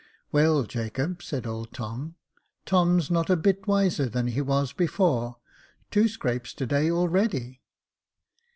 " Well, Jacob," said old Tom,^ *' Tom's not a bit wiser than he was before — two scrapes to day, already."